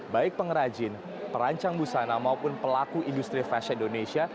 baik pengrajin perancang busana maupun pelaku industri fashion indonesia